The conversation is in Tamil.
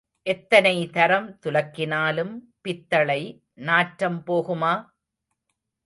எத்தனை தரம் துலக்கினாலும் பித்தளை நாற்றம் போகுமா?